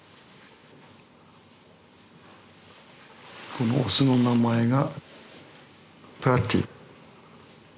このオスの名前がプラティ。